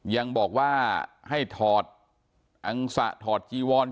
ยังบอกว่าให้ถอดอังสะถอดจีวอน